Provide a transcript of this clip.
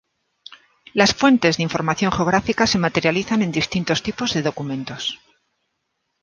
Las fuentes de información geográfica se materializan en distintos tipos de documentos.